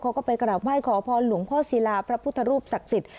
เขาก็ไปกราบไหว้ขอพรหลวงพ่อศิลาพระพุทธรูปศักดิ์สิทธิ์